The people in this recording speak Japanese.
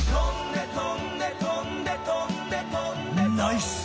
ナイス！